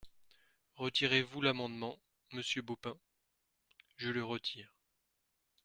Retirez-vous l’amendement, monsieur Baupin ? Je le retire.